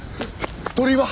鳥居は？